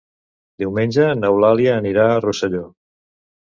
Diumenge n'Eulàlia anirà a Rosselló.